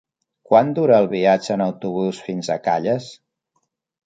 Quant dura el viatge en autobús fins a Calles?